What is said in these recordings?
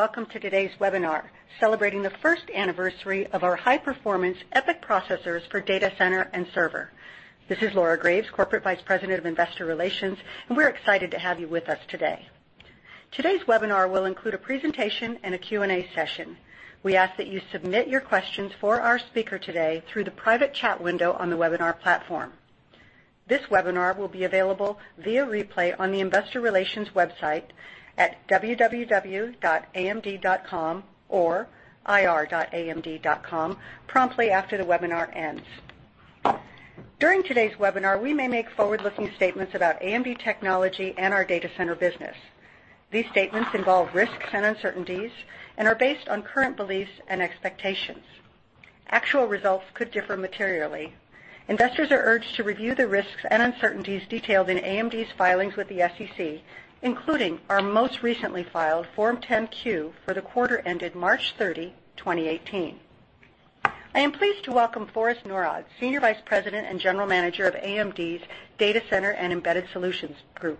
Welcome to today's webinar, celebrating the first anniversary of our high-performance EPYC processors for data center and server. This is Laura Graves, Corporate Vice President of Investor Relations, and we're excited to have you with us today. Today's webinar will include a presentation and a Q&A session. We ask that you submit your questions for our speaker today through the private chat window on the webinar platform. This webinar will be available via replay on the investor relations website at www.amd.com or ir.amd.com promptly after the webinar ends. During today's webinar, we may make forward-looking statements about AMD technology and our data center business. These statements involve risks and uncertainties and are based on current beliefs and expectations. Actual results could differ materially. Investors are urged to review the risks and uncertainties detailed in AMD's filings with the SEC, including our most recently filed Form 10-Q for the quarter ended March 30, 2018. I am pleased to welcome Forrest Norrod, Senior Vice President and General Manager of AMD's Data Center and Embedded Solutions group.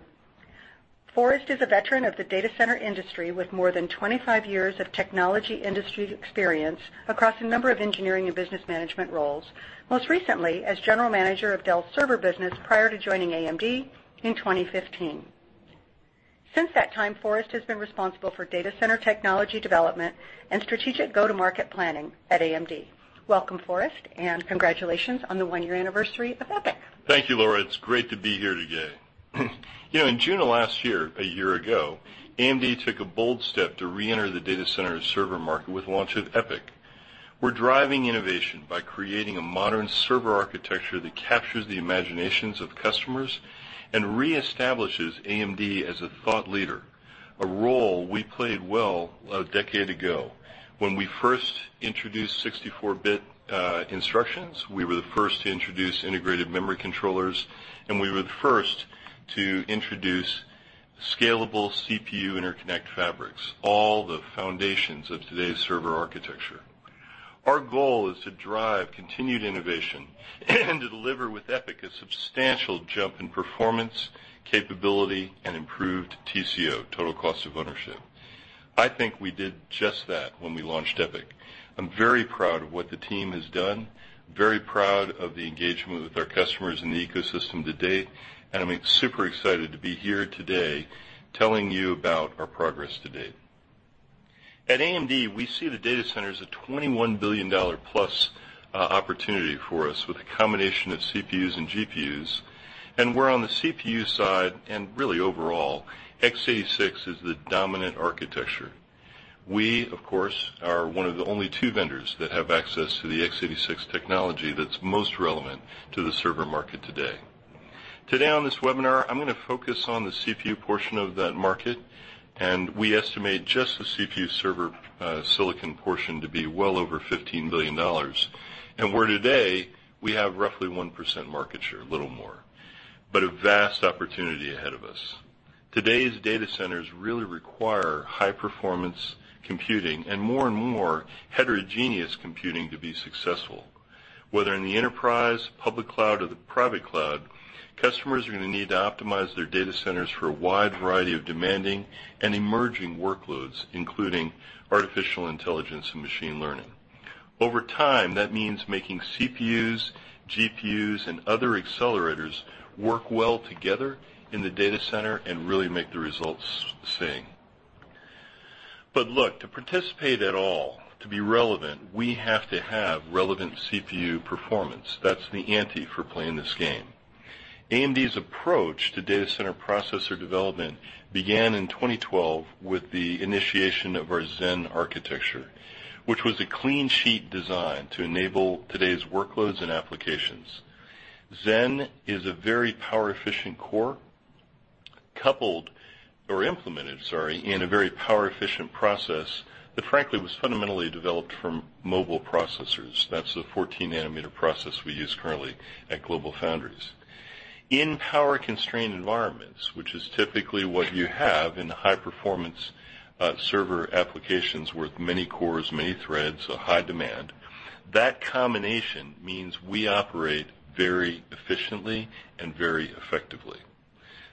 Forrest is a veteran of the data center industry with more than 25 years of technology industry experience across a number of engineering and business management roles, most recently as General Manager of Dell's server business prior to joining AMD in 2015. Since that time, Forrest has been responsible for data center technology development and strategic go-to-market planning at AMD. Welcome, Forrest, and congratulations on the one-year anniversary of EPYC. Thank you, Laura. It's great to be here today. In June of last year, a year ago, AMD took a bold step to re-enter the data center server market with the launch of EPYC. We're driving innovation by creating a modern server architecture that captures the imaginations of customers and reestablishes AMD as a thought leader, a role we played well a decade ago. When we first introduced 64-bit instructions, we were the first to introduce integrated memory controllers, and we were the first to introduce scalable CPU interconnect fabrics, all the foundations of today's server architecture. Our goal is to drive continued innovation and deliver with EPYC a substantial jump in performance, capability, and improved TCO, total cost of ownership. I think we did just that when we launched EPYC. I'm very proud of what the team has done, very proud of the engagement with our customers and the ecosystem to date, and I'm super excited to be here today telling you about our progress to date. At AMD, we see the data center as a $21 billion-plus opportunity for us with a combination of CPUs and GPUs, and where on the CPU side, and really overall, x86 is the dominant architecture. We, of course, are one of the only two vendors that have access to the x86 technology that's most relevant to the server market today. Today on this webinar, I'm going to focus on the CPU portion of that market, and we estimate just the CPU server silicon portion to be well over $15 billion. Today, we have roughly 1% market share, a little more, but a vast opportunity ahead of us. Today's data centers really require high-performance computing and, more and more, heterogeneous computing to be successful. Whether in the enterprise, public cloud, or the private cloud, customers are going to need to optimize their data centers for a wide variety of demanding and emerging workloads, including artificial intelligence and machine learning. Over time, that means making CPUs, GPUs, and other accelerators work well together in the data center and really make the results sing. Look, to participate at all, to be relevant, we have to have relevant CPU performance. That's the ante for playing this game. AMD's approach to data center processor development began in 2012 with the initiation of our Zen architecture, which was a clean-sheet design to enable today's workloads and applications. Zen is a very power-efficient core coupled or implemented, sorry, in a very power-efficient process that, frankly, was fundamentally developed from mobile processors. That's the 14-nanometer process we use currently at GlobalFoundries. In power-constrained environments, which is typically what you have in high-performance server applications with many cores, many threads, a high demand, that combination means we operate very efficiently and very effectively.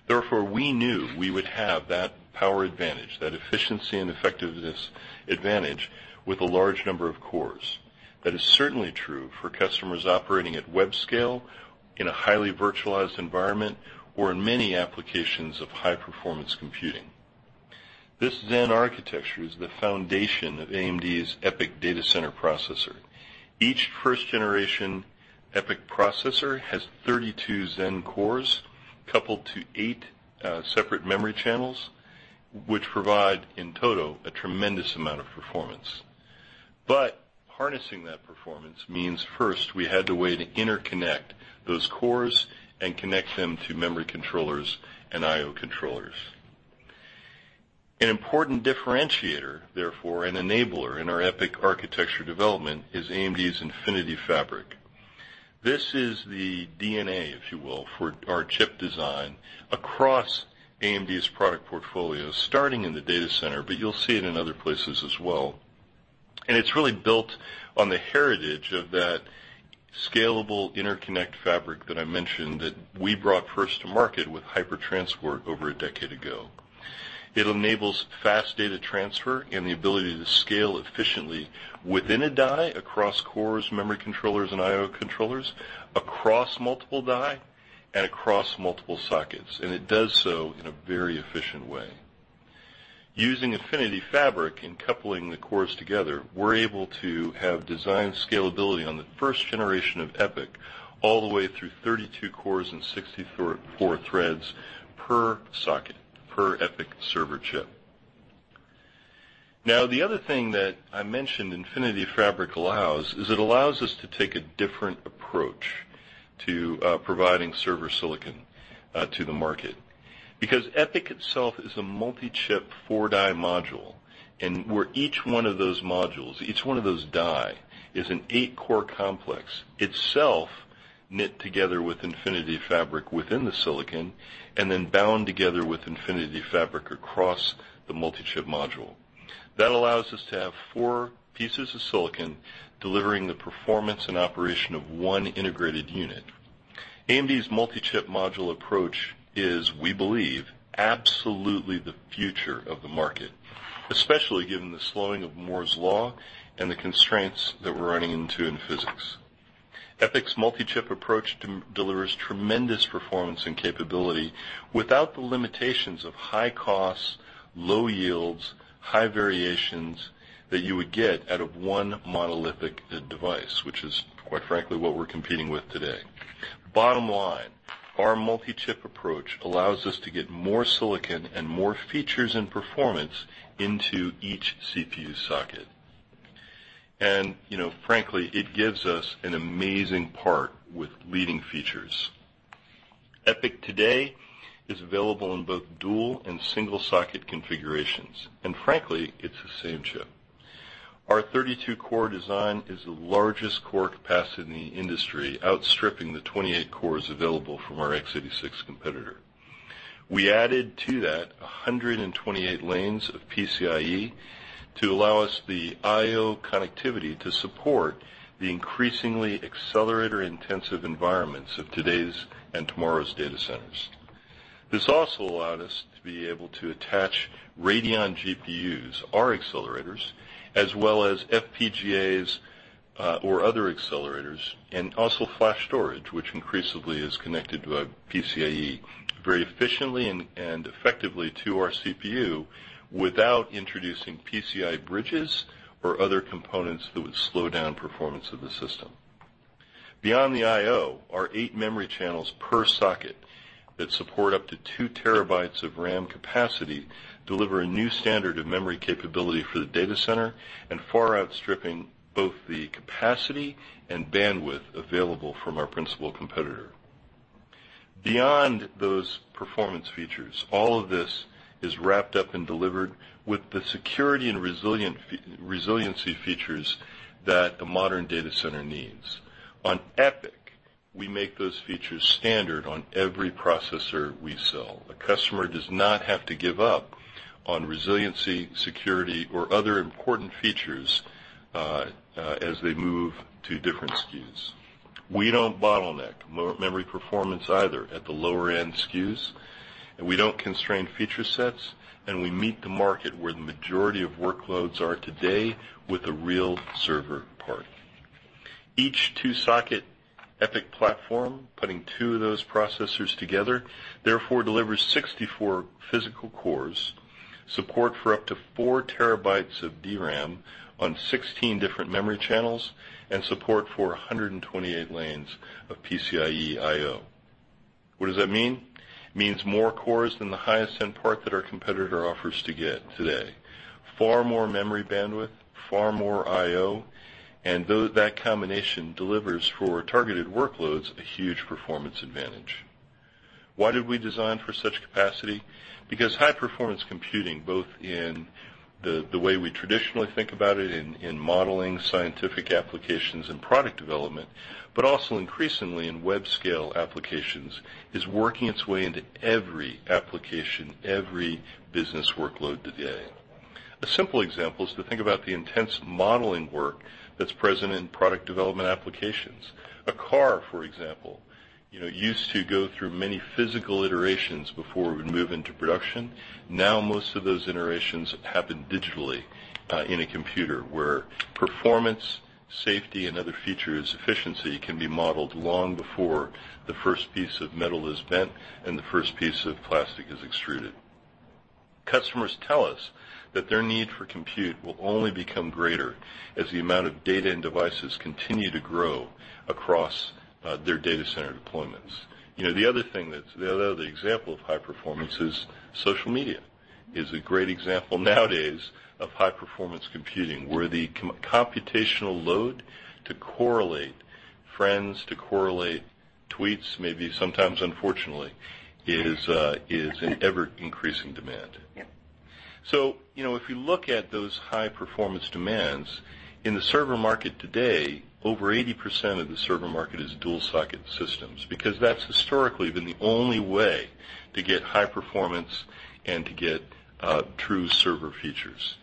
Therefore, we knew we would have that power advantage, that efficiency and effectiveness advantage with a large number of cores. That is certainly true for customers operating at web scale in a highly virtualized environment or in many applications of high-performance computing. This Zen architecture is the foundation of AMD's EPYC data center processor. Each first-generation EPYC processor has 32 Zen cores coupled to 8 separate memory channels, which provide, in total, a tremendous amount of performance. Harnessing that performance means first we had to wait to interconnect those cores and connect them to memory controllers and I/O controllers. An important differentiator, therefore, an enabler in our EPYC architecture development is AMD's Infinity Fabric. This is the DNA, if you will, for our chip design across AMD's product portfolio, starting in the data center, but you'll see it in other places as well. It's really built on the heritage of that scalable interconnect fabric that I mentioned that we brought first to market with HyperTransport over a decade ago. It enables fast data transfer and the ability to scale efficiently within a die, across cores, memory controllers, and I/O controllers, across multiple die, and across multiple sockets. It does so in a very efficient way. Using Infinity Fabric and coupling the cores together, we're able to have design scalability on the first generation of EPYC all the way through 32 cores and 64 threads per socket, per EPYC server chip. The other thing that I mentioned Infinity Fabric allows is it allows us to take a different approach to providing server silicon to the market. EPYC itself is a multi-chip 4-die module, and where each one of those modules, each one of those die, is an 8-core complex itself knit together with Infinity Fabric within the silicon and then bound together with Infinity Fabric across the multi-chip module. That allows us to have 4 pieces of silicon delivering the performance and operation of 1 integrated unit. AMD's multi-chip module approach is, we believe, absolutely the future of the market, especially given the slowing of Moore's law and the constraints that we're running into in physics. EPYC's multi-chip approach delivers tremendous performance and capability without the limitations of high costs, low yields, high variations that you would get out of one monolithic device, which is, quite frankly, what we're competing with today. Bottom line, our multi-chip approach allows us to get more silicon and more features and performance into each CPU socket. Frankly, it gives us an amazing part with leading features. EPYC today is available in both dual and single-socket configurations. Frankly, it's the same chip. Our 32-core design is the largest core capacity in the industry, outstripping the 28 cores available from our x86 competitor. We added to that 128 lanes of PCIe to allow us the I/O connectivity to support the increasingly accelerator-intensive environments of today's and tomorrow's data centers. This also allowed us to be able to attach Radeon GPUs, our accelerators, as well as FPGAs or other accelerators, and also flash storage, which increasingly is connected to a PCIe very efficiently and effectively to our CPU without introducing PCI bridges or other components that would slow down performance of the system. Beyond the I/O are eight memory channels per socket that support up to two terabytes of RAM capacity, deliver a new standard of memory capability for the data center, and far outstripping both the capacity and bandwidth available from our principal competitor. Beyond those performance features, all of this is wrapped up and delivered with the security and resiliency features that the modern data center needs. On EPYC, we make those features standard on every processor we sell. A customer does not have to give up on resiliency, security, or other important features as they move to different SKUs. We don't bottleneck memory performance either at the lower-end SKUs, and we don't constrain feature sets, and we meet the market where the majority of workloads are today with a real server part. Each two-socket EPYC platform, putting two of those processors together, therefore delivers 64 physical cores, support for up to four terabytes of DRAM on 16 different memory channels, and support for 128 lanes of PCIe I/O. What does that mean? It means more cores than the highest-end part that our competitor offers to get today. Far more memory bandwidth, far more I/O, and that combination delivers for targeted workloads a huge performance advantage. Why did we design for such capacity? Because high-performance computing, both in the way we traditionally think about it in modeling scientific applications and product development, but also increasingly in web scale applications, is working its way into every application, every business workload today. A simple example is to think about the intense modeling work that's present in product development applications. A car, for example, used to go through many physical iterations before it would move into production. Now, most of those iterations happen digitally in a computer where performance, safety, and other features, efficiency can be modeled long before the first piece of metal is bent and the first piece of plastic is extruded. Customers tell us that their need for compute will only become greater as the amount of data and devices continue to grow across their data center deployments. The other example of high performance is social media, is a great example nowadays of high-performance computing, where the computational load to correlate friends, to correlate tweets, maybe sometimes unfortunately, is an ever-increasing demand. Yep. If you look at those high-performance demands, in the server market today, over 80% of the server market is dual-socket systems, because that's historically been the only way to get high performance and to get true server features.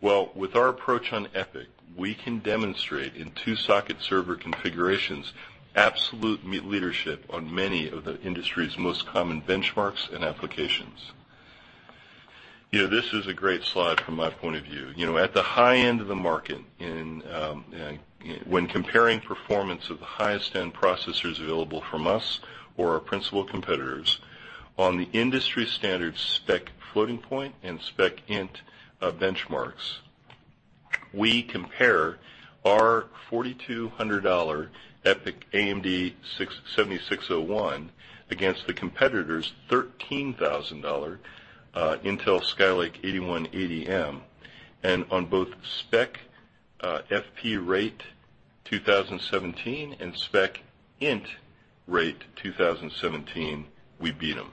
Well, with our approach on EPYC, we can demonstrate in two-socket server configurations, absolute leadership on many of the industry's most common benchmarks and applications. This is a great slide from my point of view. At the high end of the market, when comparing performance of the highest-end processors available from us or our principal competitors, on the industry standard SPEC floating-point and SPEC Int benchmarks, we compare our $4,200 EPYC AMD 7601 against the competitor's $13,000 Intel Xeon Platinum 8180M, and on both SPEC FP Rate 2017 and SPEC Int Rate 2017, we beat them.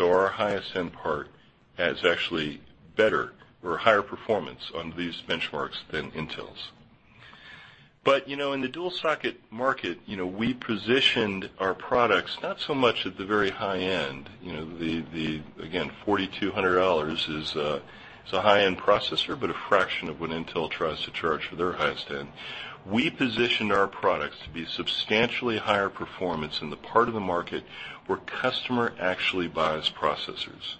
Our highest-end part has actually better or higher performance on these benchmarks than Intel's. In the dual-socket market, we positioned our products not so much at the very high end. Again, $4,200 is a high-end processor, but a fraction of what Intel tries to charge for their highest end. We positioned our products to be substantially higher performance in the part of the market where customer actually buys processors.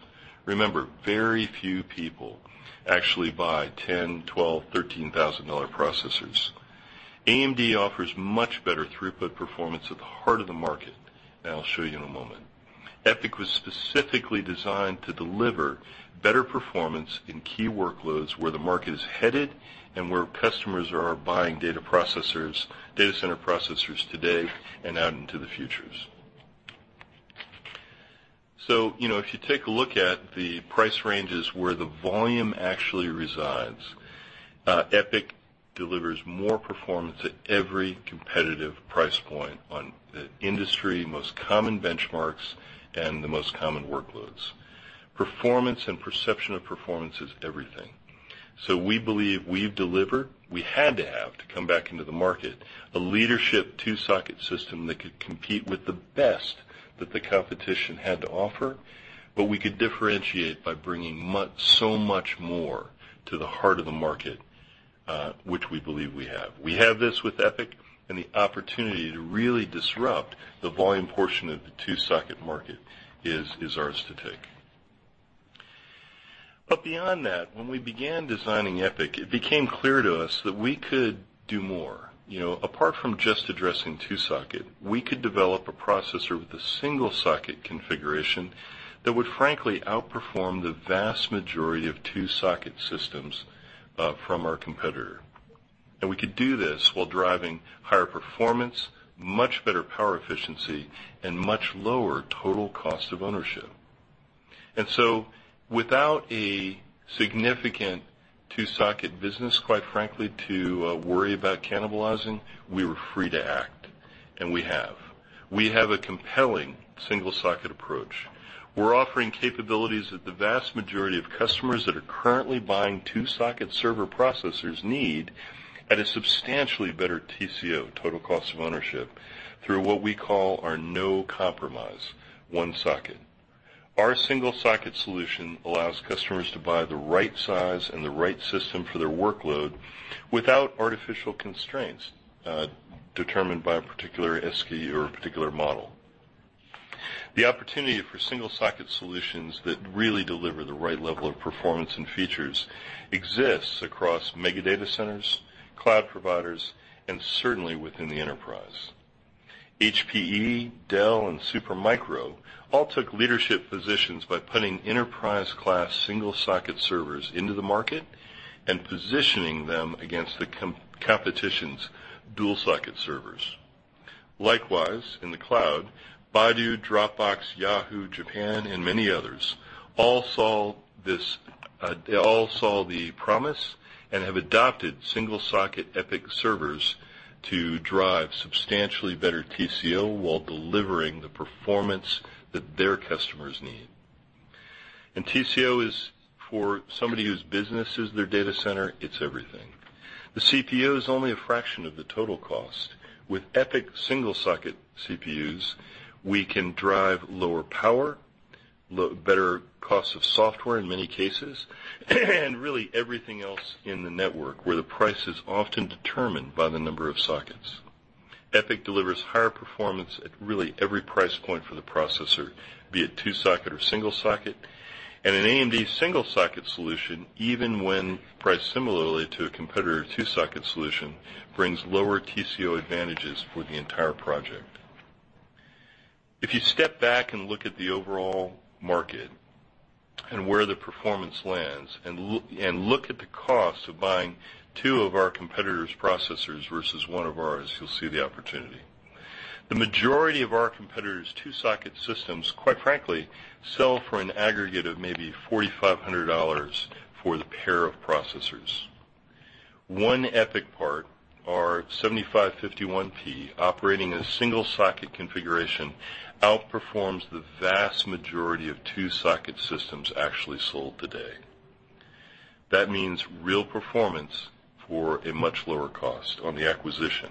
Remember, very few people actually buy $10,000, $12,000, $13,000 processors. AMD offers much better throughput performance at the heart of the market, and I'll show you in a moment. EPYC was specifically designed to deliver better performance in key workloads where the market is headed and where customers are buying data center processors today and out into the future. If you take a look at the price ranges where the volume actually resides, EPYC delivers more performance at every competitive price point on the industry most common benchmarks and the most common workloads. Performance and perception of performance is everything. We believe we've delivered, we had to have to come back into the market, a leadership two-socket system that could compete with the best that the competition had to offer, but we could differentiate by bringing so much more to the heart of the market, which we believe we have. We have this with EPYC, and the opportunity to really disrupt the volume portion of the two-socket market is ours to take. Beyond that, when we began designing EPYC, it became clear to us that we could do more. Apart from just addressing two-socket, we could develop a processor with a single-socket configuration that would frankly outperform the vast majority of two-socket systems from our competitor. We could do this while driving higher performance, much better power efficiency, and much lower total cost of ownership. Without a significant two-socket business, quite frankly, to worry about cannibalizing, we were free to act, and we have. We have a compelling single-socket approach. We are offering capabilities that the vast majority of customers that are currently buying two-socket server processors need at a substantially better TCO, total cost of ownership, through what we call our no compromise one socket. Our single-socket solution allows customers to buy the right size and the right system for their workload without artificial constraints determined by a particular SKU or a particular model. The opportunity for single-socket solutions that really deliver the right level of performance and features exists across mega data centers, cloud providers, and certainly within the enterprise. HPE, Dell, and Supermicro all took leadership positions by putting enterprise-class single-socket servers into the market and positioning them against the competition's dual-socket servers. Likewise, in the cloud, Baidu, Dropbox, Yahoo! JAPAN, and many others all saw the promise and have adopted single-socket EPYC servers to drive substantially better TCO while delivering the performance that their customers need. TCO is for somebody whose business is their data center, it is everything. The CPU is only a fraction of the total cost. With EPYC single-socket CPUs, we can drive lower power, better cost of software in many cases, and really everything else in the network where the price is often determined by the number of sockets. EPYC delivers higher performance at really every price point for the processor, be it two-socket or single socket. An AMD single-socket solution, even when priced similarly to a competitor two-socket solution, brings lower TCO advantages for the entire project. If you step back and look at the overall market and where the performance lands and look at the cost of buying two of our competitors' processors versus one of ours, you will see the opportunity. The majority of our competitors' two-socket systems, quite frankly, sell for an aggregate of maybe $4,500 for the pair of processors. One EPYC part, our 7551P, operating in a single-socket configuration, outperforms the vast majority of two-socket systems actually sold today. That means real performance for a much lower cost on the acquisition.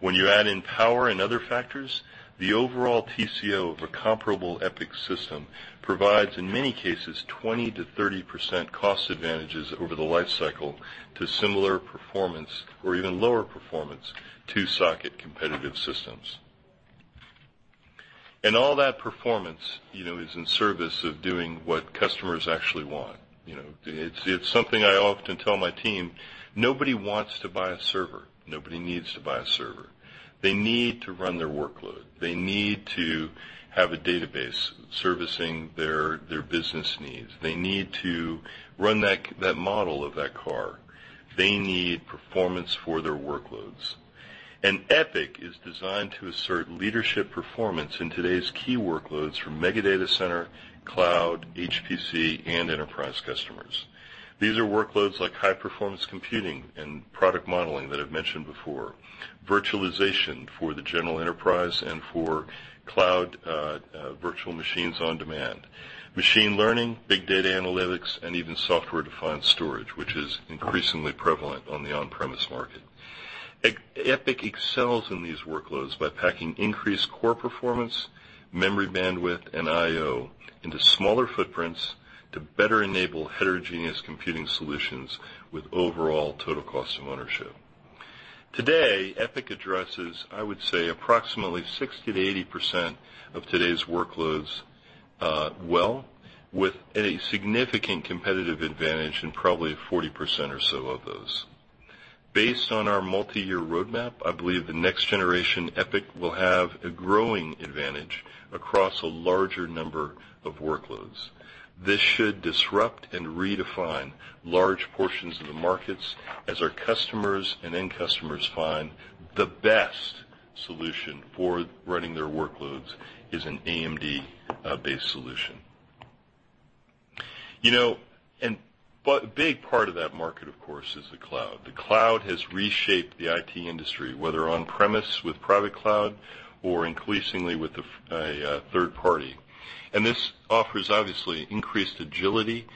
When you add in power and other factors, the overall TCO of a comparable EPYC system provides, in many cases, 20%-30% cost advantages over the life cycle to similar performance or even lower performance two-socket competitive systems. All that performance is in service of doing what customers actually want. It is something I often tell my team. Nobody wants to buy a server. Nobody needs to buy a server. They need to run their workload. They need to have a database servicing their business needs. They need to run that model of that car. They need performance for their workloads. EPYC is designed to assert leadership performance in today's key workloads from mega data center, cloud, HPC, and enterprise customers. These are workloads like high-performance computing and product modeling that I have mentioned before, virtualization for the general enterprise and for cloud virtual machines on demand, machine learning, big data analytics, and even software-defined storage, which is increasingly prevalent on the on-premise market. EPYC excels in these workloads by packing increased core performance, memory bandwidth, and IO into smaller footprints to better enable heterogeneous computing solutions with overall total cost of ownership. Today, EPYC addresses, I would say, approximately 60%-80% of today's workloads well, with a significant competitive advantage in probably 40% or so of those. Based on our multi-year roadmap, I believe the next generation EPYC will have a growing advantage across a larger number of workloads. This should disrupt and redefine large portions of the markets as our customers and end customers find the best solution for running their workloads is an AMD-based solution. A big part of that market, of course, is the cloud. The cloud has reshaped the IT industry, whether on-premise with private cloud or increasingly with a third party. This offers, obviously, increased agility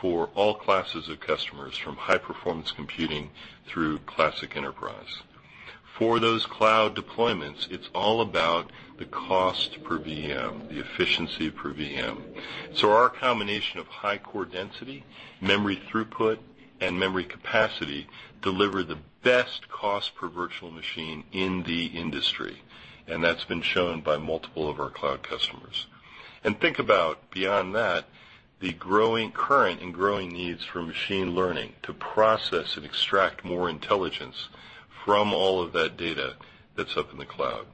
for all classes of customers, from high-performance computing through classic enterprise. For those cloud deployments, it's all about the cost per VM, the efficiency per VM. Our combination of high core density, memory throughput, and memory capacity deliver the best cost per virtual machine in the industry, and that's been shown by multiple of our cloud customers. Think about, beyond that, the current and growing needs for machine learning to process and extract more intelligence from all of that data that's up in the cloud.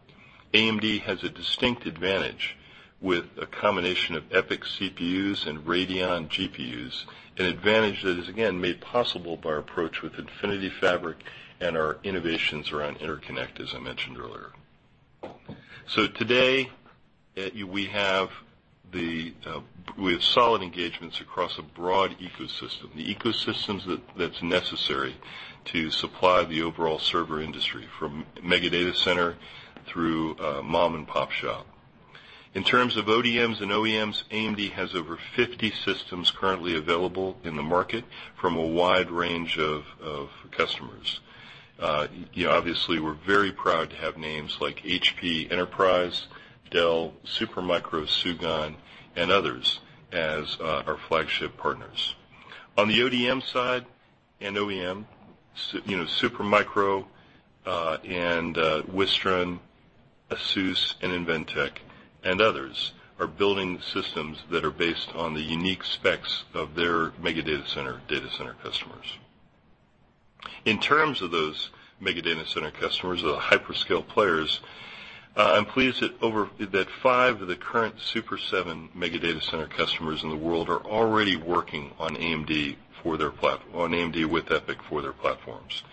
AMD has a distinct advantage with a combination of EPYC CPUs and Radeon GPUs, an advantage that is again made possible by our approach with Infinity Fabric and our innovations around interconnect, as I mentioned earlier. Today, we have solid engagements across a broad ecosystem, the ecosystems that's necessary to supply the overall server industry, from mega data center through mom-and-pop shop. In terms of ODMs and OEMs, AMD has over 50 systems currently available in the market from a wide range of customers. Obviously, we're very proud to have names like HP Enterprise, Dell, Supermicro, Sugon, and others as our flagship partners. On the ODM side and OEM, Supermicro and Wistron, ASUS, and Inventec, and others are building systems that are based on the unique specs of their mega data center customers. In terms of those mega data center customers or the hyperscale players, I'm pleased that five of the current Super-7 mega data center customers in the world are already working on AMD with EPYC for their platforms.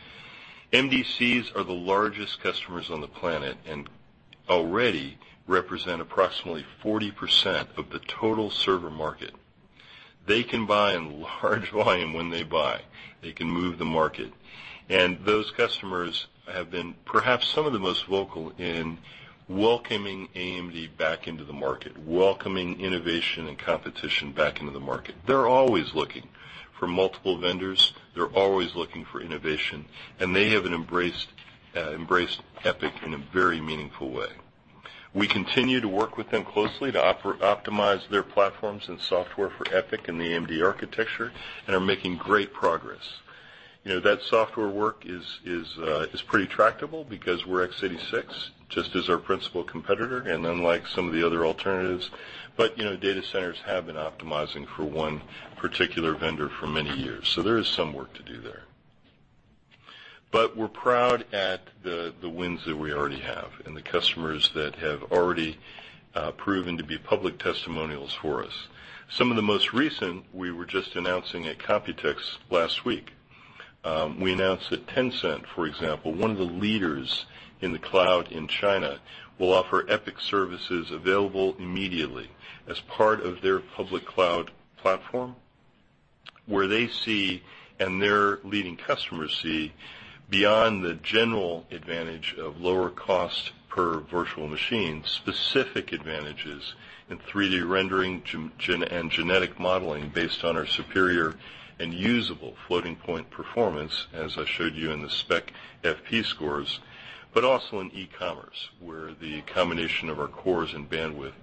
MDCs are the largest customers on the planet and already represent approximately 40% of the total server market. They can buy in large volume when they buy. They can move the market. Those customers have been perhaps some of the most vocal in welcoming AMD back into the market, welcoming innovation and competition back into the market. They're always looking for multiple vendors. They're always looking for innovation, they have embraced EPYC in a very meaningful way. We continue to work with them closely to optimize their platforms and software for EPYC and the AMD architecture and are making great progress. That software work is pretty tractable because we're x86, just as our principal competitor, and unlike some of the other alternatives. Data centers have been optimizing for one particular vendor for many years. There is some work to do there. We're proud at the wins that we already have and the customers that have already proven to be public testimonials for us. Some of the most recent we were just announcing at Computex last week. We announced that Tencent, for example, one of the leaders in the cloud in China, will offer EPYC services available immediately as part of their public cloud platform, where they see and their leading customers see, beyond the general advantage of lower cost per virtual machine, specific advantages in 3D rendering and genetic modeling based on our superior and usable floating point performance, as I showed you in the SPECfp scores, but also in e-commerce, where the combination of our cores and bandwidth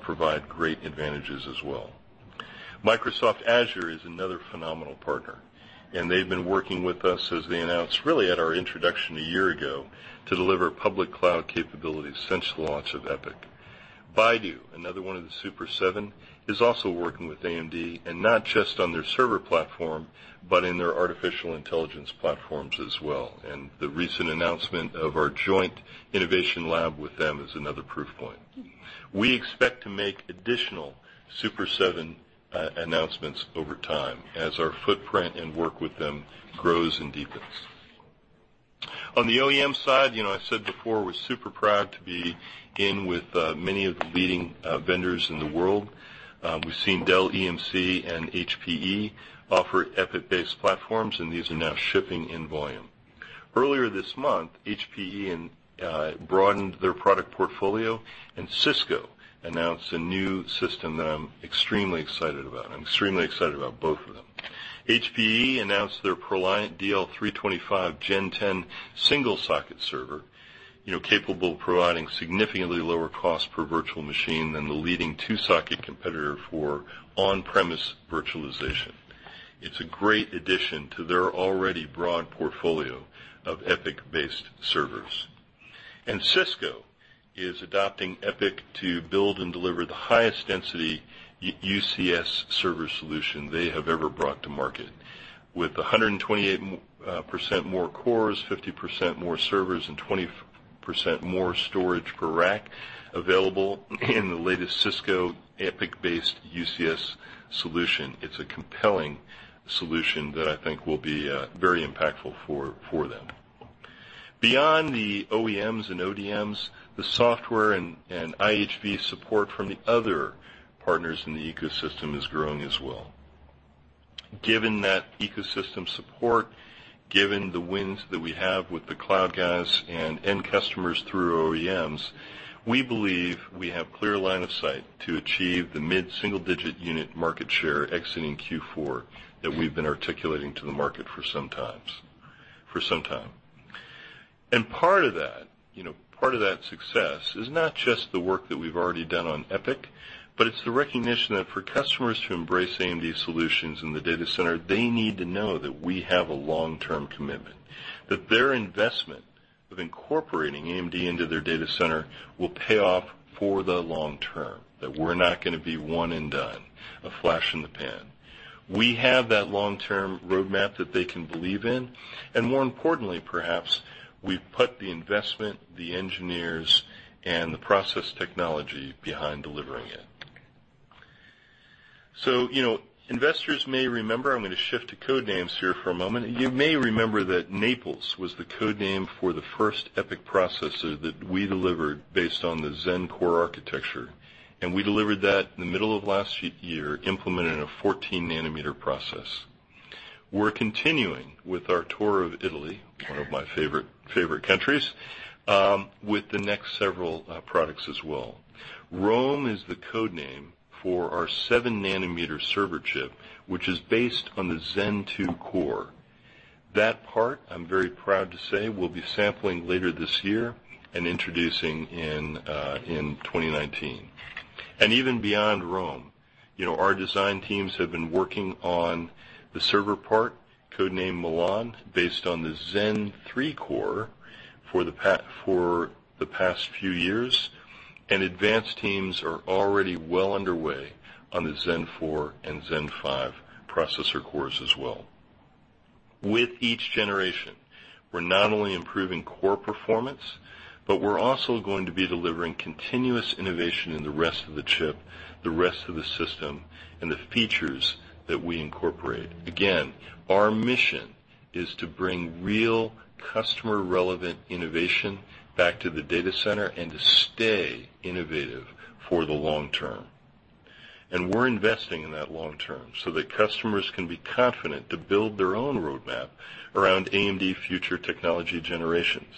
provide great advantages as well. Microsoft Azure is another phenomenal partner, and they've been working with us, as they announced, really at our introduction a year ago, to deliver public cloud capabilities since the launch of EPYC. Baidu, another one of the Super Seven, is also working with AMD, not just on their server platform, but in their artificial intelligence platforms as well. The recent announcement of our joint innovation lab with them is another proof point. We expect to make additional Super Seven announcements over time as our footprint and work with them grows and deepens. On the OEM side, I said before, we're super proud to be in with many of the leading vendors in the world. We've seen Dell EMC and HPE offer EPYC-based platforms, and these are now shipping in volume. Earlier this month, HPE broadened their product portfolio, and Cisco announced a new system that I'm extremely excited about. I'm extremely excited about both of them. HPE announced their ProLiant DL325 Gen10 single-socket server, capable of providing significantly lower cost per virtual machine than the leading two-socket competitor for on-premise virtualization. It's a great addition to their already broad portfolio of EPYC-based servers. Cisco is adopting EPYC to build and deliver the highest density UCS server solution they have ever brought to market. With 128% more cores, 50% more servers, and 20% more storage per rack available in the latest Cisco EPYC-based UCS solution, it's a compelling solution that I think will be very impactful for them. Beyond the OEMs and ODMs, the software and IHV support from the other partners in the ecosystem is growing as well. Given that ecosystem support, given the wins that we have with the cloud guys and end customers through our OEMs, we believe we have clear line of sight to achieve the mid-single-digit unit market share exiting Q4 that we've been articulating to the market for some time. Part of that success is not just the work that we've already done on EPYC, but it's the recognition that for customers to embrace AMD solutions in the data center, they need to know that we have a long-term commitment, that their investment of incorporating AMD into their data center will pay off for the long term, that we're not going to be one and done, a flash in the pan. We have that long-term roadmap that they can believe in, and more importantly, perhaps, we've put the investment, the engineers, and the process technology behind delivering it. Investors may remember, I'm going to shift to code names here for a moment. You may remember that Naples was the code name for the first EPYC processor that we delivered based on the Zen core architecture, and we delivered that in the middle of last year, implemented in a 14-nanometer process. We're continuing with our tour of Italy, one of my favorite countries, with the next several products as well. Rome is the code name for our 7-nanometer server chip, which is based on the Zen 2 core. That part, I'm very proud to say, we'll be sampling later this year and introducing in 2019. Even beyond Rome, our design teams have been working on the server part, code-named Milan, based on the Zen 3 core, for the past few years, and advanced teams are already well underway on the Zen 4 and Zen 5 processor cores as well. With each generation, we're not only improving core performance, but we're also going to be delivering continuous innovation in the rest of the chip, the rest of the system, and the features that we incorporate. Again, our mission is to bring real customer-relevant innovation back to the data center and to stay innovative for the long term. We're investing in that long term so that customers can be confident to build their own roadmap around AMD future technology generations.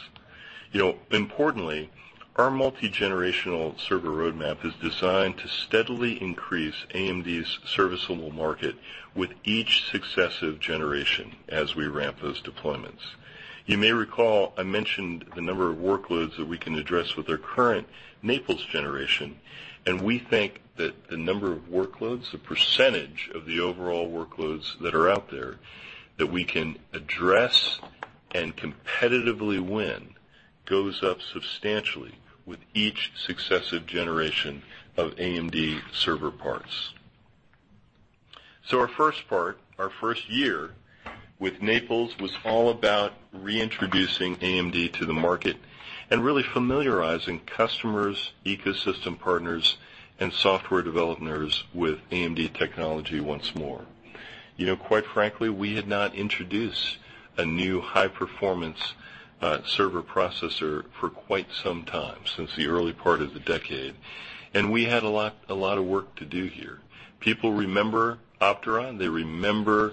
Importantly, our multi-generational server roadmap is designed to steadily increase AMD's serviceable market with each successive generation as we ramp those deployments. You may recall I mentioned the number of workloads that we can address with our current Naples generation, and we think that the number of workloads, the percentage of the overall workloads that are out there that we can address and competitively win, goes up substantially with each successive generation of AMD server parts. Our first part, our first year with Naples was all about reintroducing AMD to the market and really familiarizing customers, ecosystem partners, and software developers with AMD technology once more. Quite frankly, we had not introduced a new high-performance server processor for quite some time, since the early part of the decade, and we had a lot of work to do here. People remember Opteron. They remember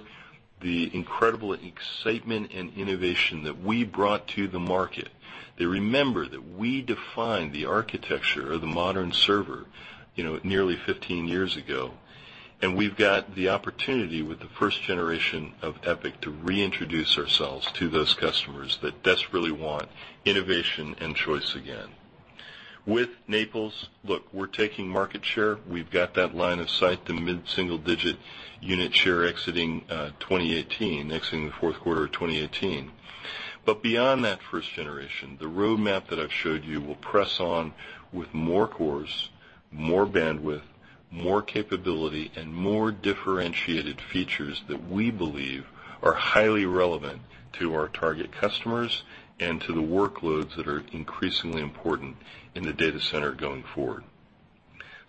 the incredible excitement and innovation that we brought to the market. They remember that we defined the architecture of the modern server nearly 15 years ago. We've got the opportunity with the first generation of EPYC to reintroduce ourselves to those customers that desperately want innovation and choice again. With Naples, look, we're taking market share. We've got that line of sight, the mid-single-digit unit share exiting 2018, exiting the fourth quarter of 2018. Beyond that first generation, the roadmap that I've showed you will press on with more cores, more bandwidth, more capability, and more differentiated features that we believe are highly relevant to our target customers and to the workloads that are increasingly important in the data center going forward.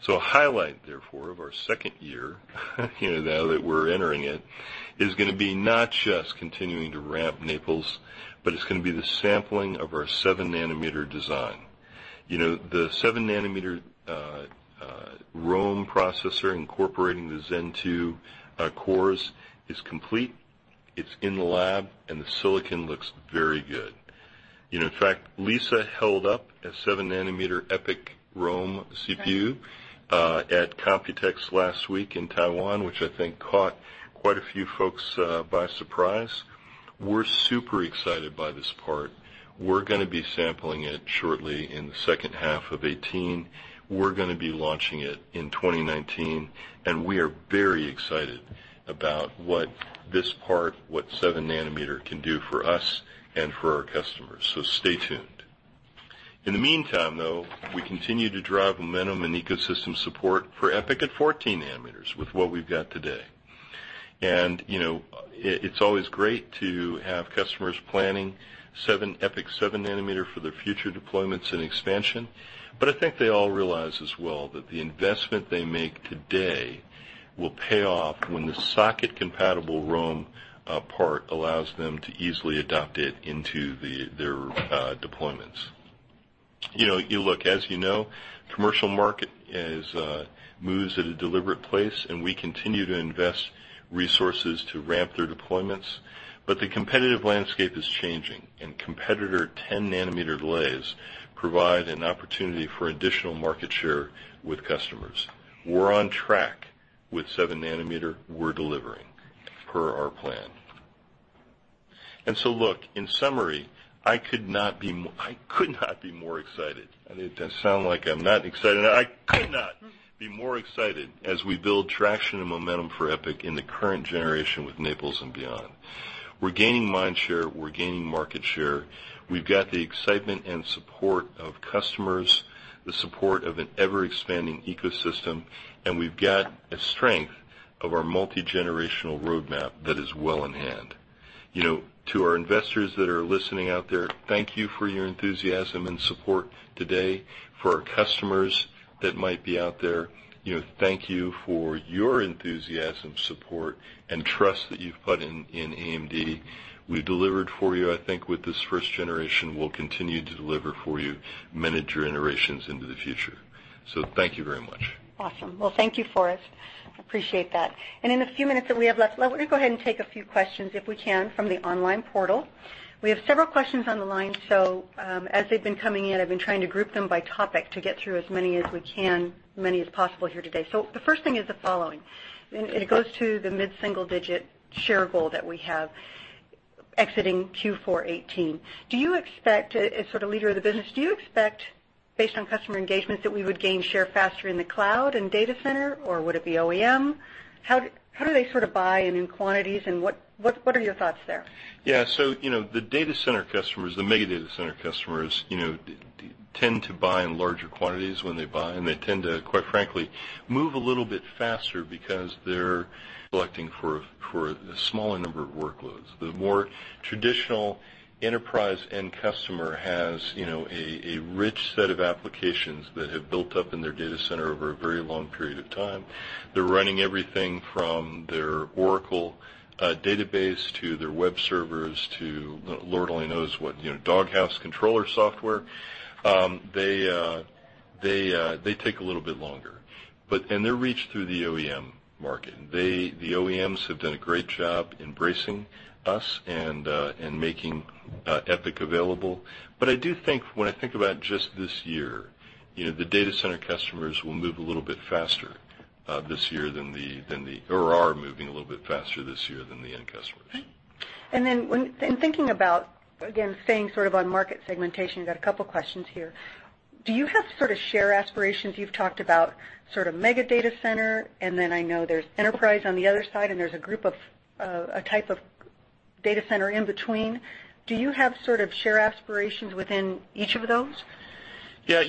A highlight, therefore, of our second year, now that we're entering it, is going to be not just continuing to ramp Naples, but it's going to be the sampling of our 7-nanometer design. The 7-nanometer Rome processor incorporating the Zen 2 cores is complete. It's in the lab. The silicon looks very good. In fact, Lisa held up a 7 nm EPYC Rome CPU. At Computex last week in Taiwan, which I think caught quite a few folks by surprise. We're super excited by this part. We're going to be sampling it shortly in the second half of 2018. We're going to be launching it in 2019, and we are very excited about what this part, what 7 nm can do for us and for our customers. Stay tuned. In the meantime, though, we continue to drive momentum and ecosystem support for EPYC at 14 nm with what we've got today. It's always great to have customers planning EPYC 7 nm for their future deployments and expansion. I think they all realize as well that the investment they make today will pay off when the socket-compatible Rome part allows them to easily adopt it into their deployments. As you know, commercial market moves at a deliberate pace, and we continue to invest resources to ramp their deployments. The competitive landscape is changing, and competitor 10 nm delays provide an opportunity for additional market share with customers. We're on track with 7 nm. We're delivering per our plan. Look, in summary, I could not be more excited. It does sound like I'm not excited. I could not be more excited as we build traction and momentum for EPYC in the current generation with Naples and beyond. We're gaining mind share. We're gaining market share. We've got the excitement and support of customers, the support of an ever-expanding ecosystem, and we've got a strength of our multi-generational roadmap that is well in hand. To our investors that are listening out there, thank you for your enthusiasm and support today. For our customers that might be out there, thank you for your enthusiasm, support, and trust that you've put in AMD. We delivered for you, I think, with this first generation. We'll continue to deliver for you many generations into the future. Thank you very much. Awesome. Well, thank you, Forrest. Appreciate that. In the few minutes that we have left, I want to go ahead and take a few questions, if we can, from the online portal. We have several questions on the line, as they've been coming in, I've been trying to group them by topic to get through as many as we can, many as possible here today. The first thing is the following, it goes to the mid-single-digit share goal that we have exiting Q4 2018. As sort of leader of the business, do you expect, based on customer engagements, that we would gain share faster in the cloud and data center, or would it be OEM? How do they buy and in quantities, what are your thoughts there? Yeah. The mega data center customers tend to buy in larger quantities when they buy, and they tend to, quite frankly, move a little bit faster because they're collecting for a smaller number of workloads. The more traditional enterprise end customer has a rich set of applications that have built up in their data center over a very long period of time. They're running everything from their Oracle database to their web servers to, Lord only knows what, doghouse controller software. They take a little bit longer. They're reached through the OEM market. The OEMs have done a great job embracing us and making EPYC available. I do think, when I think about just this year, the data center customers will move a little bit faster this year, or are moving a little bit faster this year than the end customers. Okay. In thinking about, again, staying on market segmentation, I've got a couple questions here. Do you have sort of share aspirations? You've talked about mega data center, then I know there's enterprise on the other side, and there's a type of data center in between. Do you have share aspirations within each of those? Yeah.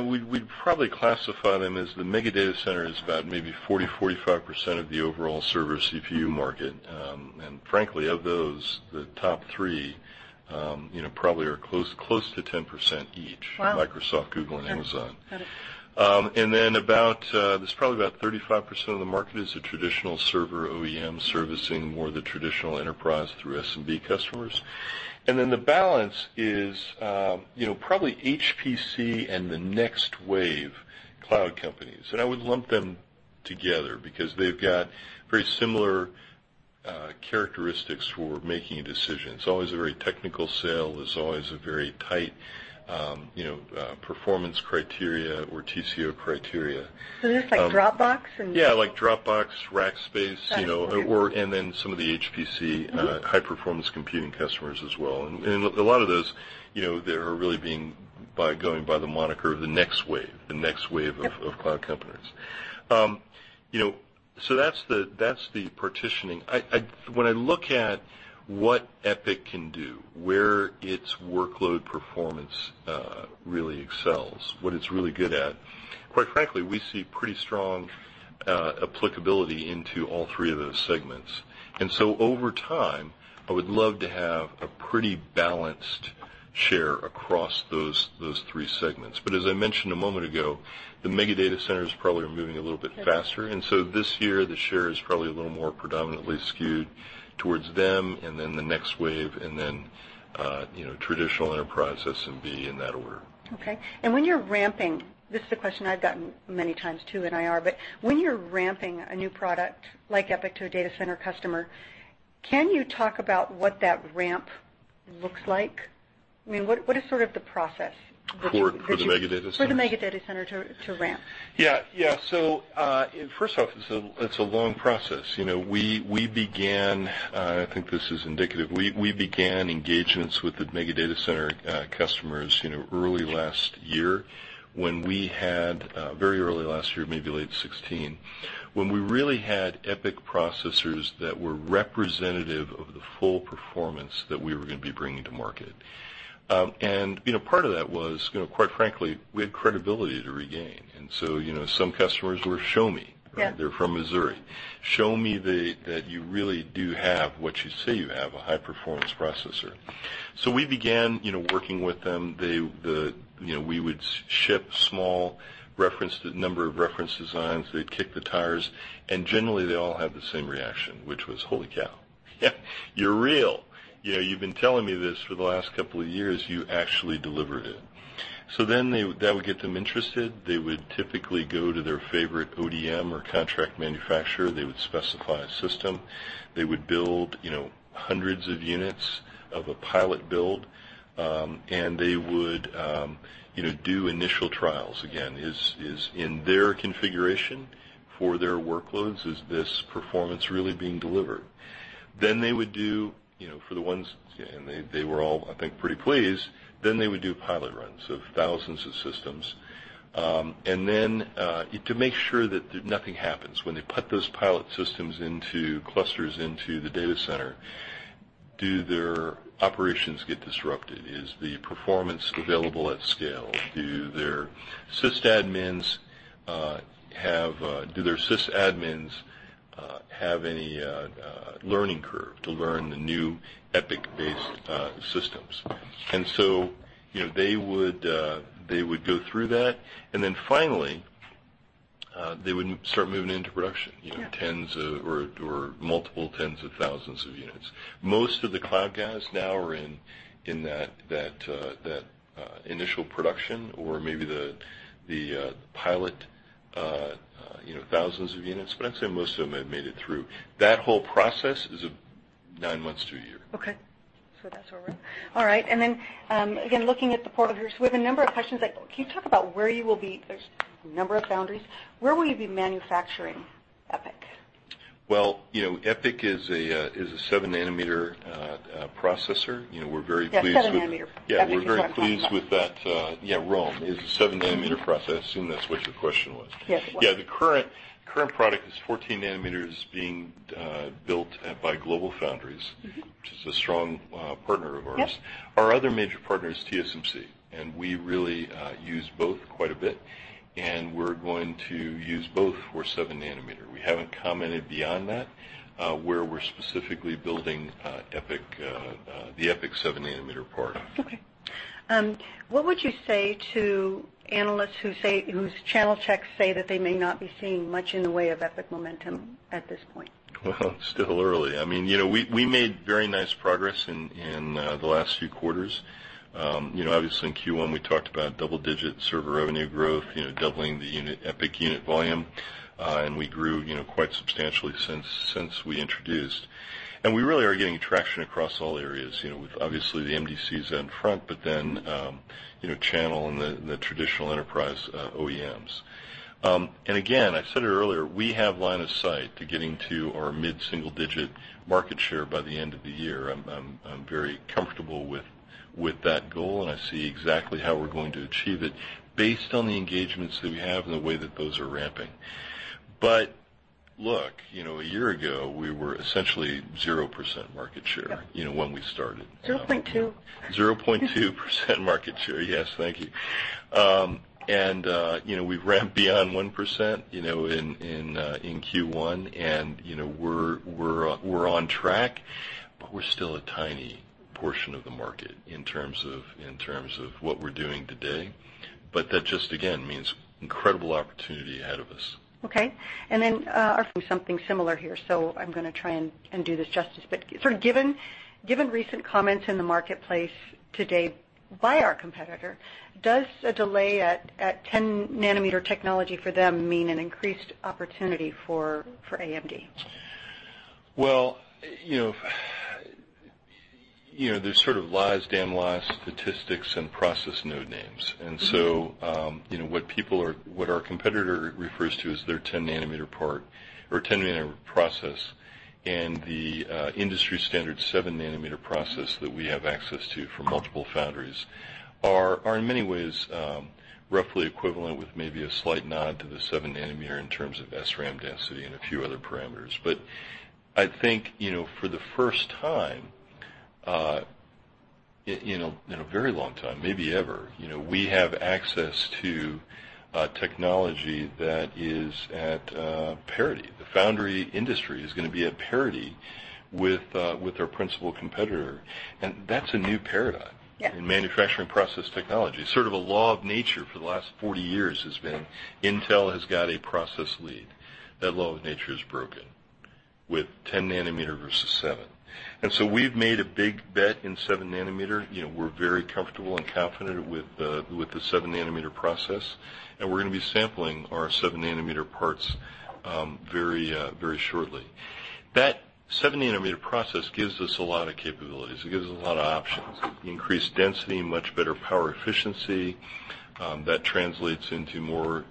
We'd probably classify them as the mega data center is about maybe 40%-45% of the overall server CPU market. Frankly, of those, the top three probably are close to 10% each. Wow. Microsoft, Google, and Amazon. Got it. There's probably about 35% of the market is the traditional server OEM servicing more the traditional enterprise through SMB customers. The balance is probably HPC and the next wave cloud companies. I would lump them together because they've got very similar characteristics for making a decision. It's always a very technical sale. It's always a very tight performance criteria or TCO criteria. Just like Dropbox. Yeah, like Dropbox, Rackspace. Got you. Then some of the HPC, high-performance computing customers as well. A lot of those, they're really being by going by the moniker of the next wave, the next wave of cloud companies. That's the partitioning. When I look at what EPYC can do, where its workload performance really excels, what it's really good at, quite frankly, we see pretty strong applicability into all three of those segments. Over time, I would love to have a pretty balanced share across those three segments. As I mentioned a moment ago, the mega data centers probably are moving a little bit faster, this year, the share is probably a little more predominantly skewed towards them then the next wave, then traditional enterprise SMB in that order. Okay, when you're ramping, this is a question I've gotten many times too in IR, when you're ramping a new product like EPYC to a data center customer, can you talk about what that ramp looks like? What is sort of the process that you- For the mega data center? For the mega data center to ramp. Yeah. First off, it's a long process. We began, I think this is indicative, we began engagements with the mega data center customers early last year, very early last year, maybe late 2016, when we really had EPYC processors that were representative of the full performance that we were going to be bringing to market. Part of that was, quite frankly, we had credibility to regain. Some customers were, "Show me. Yeah. They're from Missouri. "Show me that you really do have what you say you have, a high-performance processor." We began working with them. We would ship small number of reference designs. They'd kick the tires. Generally, they all have the same reaction, which was, "Holy cow. You're real. You've been telling me this for the last couple of years. You actually delivered it." That would get them interested. They would typically go to their favorite ODM or contract manufacturer. They would specify a system. They would build hundreds of units of a pilot build. They would do initial trials, again, in their configuration for their workloads, is this performance really being delivered? They would do, for the ones, they were all, I think, pretty pleased. They would do pilot runs of thousands of systems. To make sure that nothing happens when they put those pilot systems into clusters into the data center, do their operations get disrupted? Is the performance available at scale? Do their sysadmins have any learning curve to learn the new EPYC-based systems? They would go through that, and then finally, they would start moving into production- Yeah tens or multiple tens of thousands of units. Most of the cloud guys now are in that initial production or maybe the pilot thousands of units, but I'd say most of them have made it through. That whole process is nine months to a year. Okay. That's where. All right, again, looking at the portfolios, we have a number of questions like, can you talk about where you will be-- There's a number of foundries. Where will you be manufacturing EPYC? EPYC is a 7-nanometer processor. We're very pleased with- Yeah, 7 nm EPYC is what I'm talking about. Yeah, we're very pleased with that. Yeah, Rome is a 7 nm processor. I assume that's what your question was. Yes, it was. Yeah, the current product is 14 nm being built by GlobalFoundries. which is a strong partner of ours. Yep. Our other major partner is TSMC. We really use both quite a bit. We're going to use both for 7-nanometer. We haven't commented beyond that, where we're specifically building the EPYC 7-nanometer part. Okay. What would you say to analysts whose channel checks say that they may not be seeing much in the way of EPYC momentum at this point? Well, it's still early. We made very nice progress in the last few quarters. Obviously, in Q1, we talked about double-digit server revenue growth, doubling the EPYC unit volume. We grew quite substantially since we introduced. We really are getting traction across all areas, with obviously the MDCs in front, then channel and the traditional enterprise OEMs. Again, I said it earlier, we have line of sight to getting to our mid-single-digit market share by the end of the year. I'm very comfortable with that goal, and I see exactly how we're going to achieve it based on the engagements that we have and the way that those are ramping. Look, a year ago, we were essentially 0% market share. Yeah when we started. 0.2. 0.2% market share. Yes, thank you. We ramped beyond 1% in Q1. We're on track, but we're still a tiny portion of the market in terms of what we're doing today. That just, again, means incredible opportunity ahead of us. Okay. Then offering something similar here, so I'm going to try and do this justice, but sort of Given recent comments in the marketplace today by our competitor, does a delay at 10 nanometer technology for them mean an increased opportunity for AMD? Well, there's sort of lies, damn lies, statistics, and process node names. What our competitor refers to as their 10 nm part or 10 nm process, and the industry standard 7 nm process that we have access to from multiple foundries are in many ways roughly equivalent, with maybe a slight nod to the 7 nm in terms of SRAM density and a few other parameters. I think, for the first time in a very long time, maybe ever, we have access to technology that is at parity. The foundry industry is going to be at parity with our principal competitor, and that's a new paradigm. Yeah. In manufacturing process technology, sort of a law of nature for the last 40 years has been Intel has got a process lead. That law of nature is broken with 10 nm versus 7 nm. We've made a big bet in 7 nm. We're very comfortable and confident with the 7 nm process, and we're going to be sampling our 7 nm parts very shortly. That 7 nm process gives us a lot of capabilities. It gives us a lot of options, increased density, much better power efficiency. That translates into more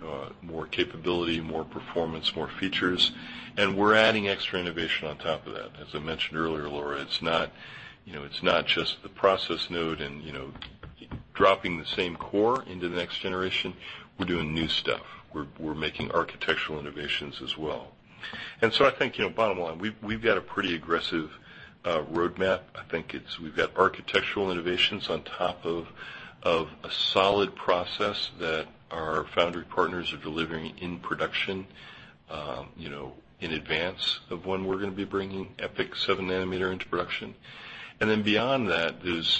capability, more performance, more features. We're adding extra innovation on top of that. As I mentioned earlier, Laura, it's not just the process node and dropping the same core into the next generation. We're doing new stuff. We're making architectural innovations as well. I think, bottom line, we've got a pretty aggressive roadmap. I think we've got architectural innovations on top of a solid process that our foundry partners are delivering in production, in advance of when we're going to be bringing EPYC 7 nm into production. Beyond that, there's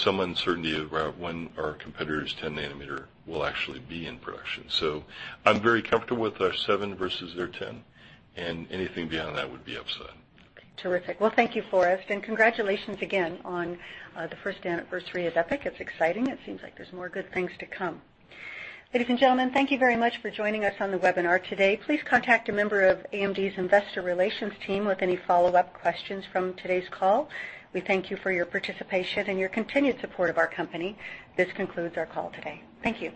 some uncertainty around when our competitor's 10 nm will actually be in production. I'm very comfortable with our 7 nm versus their 10 nm, and anything beyond that would be upside. Terrific. Thank you, Forrest, and congratulations again on the first anniversary of EPYC. It's exciting. It seems like there's more good things to come. Ladies and gentlemen, thank you very much for joining us on the webinar today. Please contact a member of AMD's investor relations team with any follow-up questions from today's call. We thank you for your participation and your continued support of our company. This concludes our call today. Thank you.